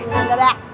iya udah deh